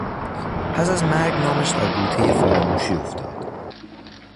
پس از مرگ نامش در بوتهی فراموشی افتاد.